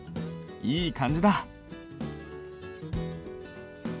いい感じだ。